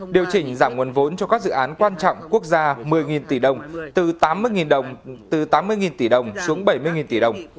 điều chỉnh giảm nguồn vốn cho các dự án quan trọng quốc gia một mươi tỷ đồng từ tám mươi tỷ đồng xuống bảy mươi tỷ đồng